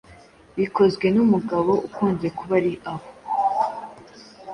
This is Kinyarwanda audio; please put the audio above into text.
bikozwe n'umugabo ukunze kuba ari aho